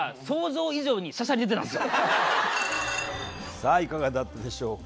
さあいかがだったでしょうか。